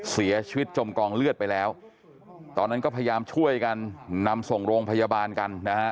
จมกองเลือดไปแล้วตอนนั้นก็พยายามช่วยกันนำส่งโรงพยาบาลกันนะฮะ